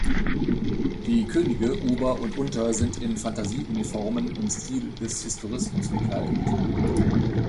Die Könige, Ober und Unter sind in Phantasie-Uniformen im Stil des Historismus gekleidet.